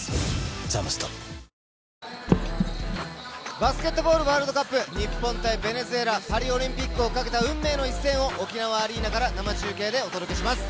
バスケットボールワールドカップ、日本対ベネズエラ、パリオリンピックをかけた運命の一戦を沖縄アリーナから生中継でお届けします。